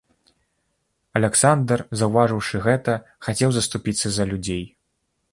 Аляксандр, заўважыўшы гэта, хацеў заступіцца за людзей.